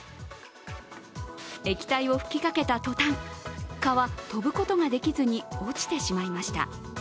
液体を吹きかけたとたん蚊は飛ぶことができずに落ちてしまいました。